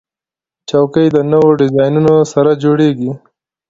چوکۍ د نوو ډیزاینونو سره جوړیږي.